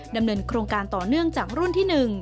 ดำเนินโครงการต่อเนื่องจากรุ่นที่๑